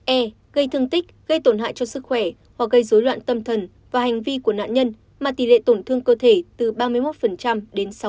e gây thương tích gây tổn hại cho sức khỏe hoặc gây dối loạn tâm thần và hành vi của nạn nhân mà tỷ lệ tổn thương cơ thể từ ba mươi một đến sáu mươi